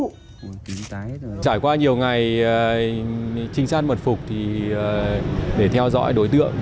trải qua nhiều ngày trinh sát mật phục thì để theo dõi đối tượng